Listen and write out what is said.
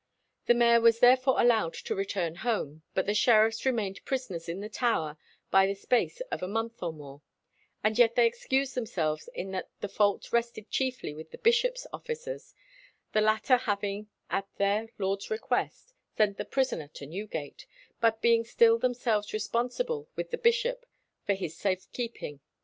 The mayor was therefore allowed to return home, but the sheriffs remained prisoners in the Tower "by the space of a month or more;" and yet they excused themselves in that the fault rested chiefly with the bishop's officers, the latter having, at their lord's request, sent the prisoner to Newgate, but being still themselves responsible with the bishop for his safe keeping.